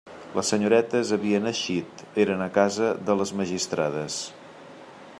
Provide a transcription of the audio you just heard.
Les senyoretes havien eixit; eren a casa de «les magistrades».